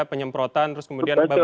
penyemprotan terus kemudian beberapa hari